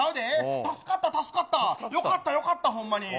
助かった、助かった、よかった、よかった、ほんまに。